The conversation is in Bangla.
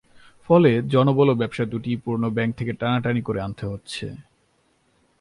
ফলে জনবল ও ব্যবসা দুটিই পুরোনো ব্যাংক থেকে টানাটানি করে আনতে হচ্ছে।